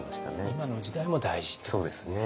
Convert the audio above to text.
今の時代も大事っていうことですね。